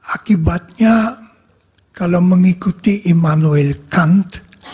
akibatnya kalau mengikuti immanuel count